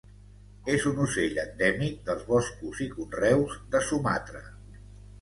És un ocell endèmic dels boscos i conreus de Sumatra.